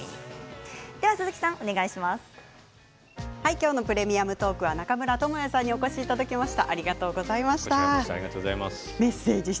今日の「プレミアムトーク」は中村倫也さんにお越しいただきました。